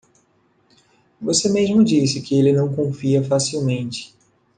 Você mesmo disse que ele não confia facilmente.